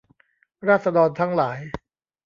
ราษฎรทั้งหลาย